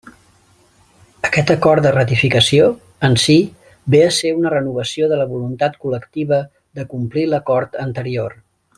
Aquest acord de ratificació, en si, ve a ser una renovació de la voluntat col·lectiva de complir l'acord anterior.